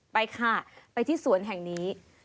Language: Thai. ไปค่ะไปที่สวนแห่งนี้